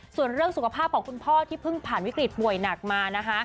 ส่วนเรื่องสุขภาพของคุณพ่อที่เพิ่งผ่านวิกฤตป่วยหนักมานะคะ